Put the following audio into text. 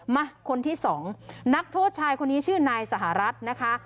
มาคนที่สองนักโทษชายคนนี้ชื่อนายสหรัฐนะคะ